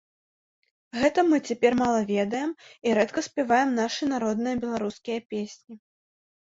Гэта мы цяпер мала ведаем і рэдка спяваем нашы народныя беларускія песні.